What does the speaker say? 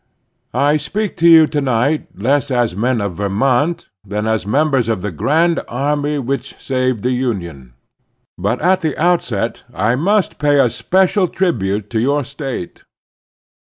I SPEAK to you to night less as men of Ver mont than as members of the Grand Army which saved the Union. But at the outset I must pay a special tribute to your State.